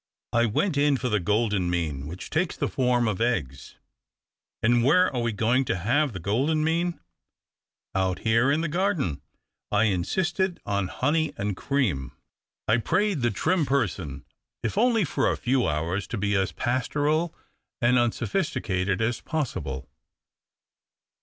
I went in for the golden mean, which takes the form of eggs." " And where are we going to have the golden mean ?"" Out here in the o arden. I insisted on honey and cream. I prayed the trim person Q '226 TH^ OCTAVE OF CLAUDIUS. if only for a few hours to be as pastoral and unsopliisticated as possible.